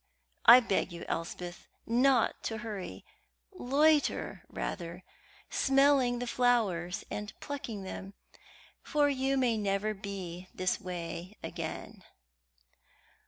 I beg you, Elspeth, not to hurry; loiter rather, smelling the flowers and plucking them, for you may never be this way again."